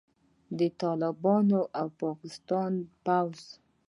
د طالبانو او د پاکستان د پوځ